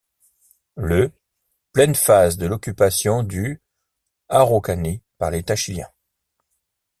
Le pleine phase de l'occupation du Araucanie par l'État chilien.